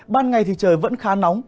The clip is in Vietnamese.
ban ngày thì trời vẫn khá nóng